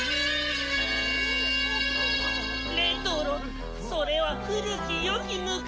レトロそれは古き良き昔。